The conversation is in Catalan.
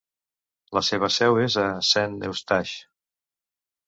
La seva seu és a Saint-Eustache.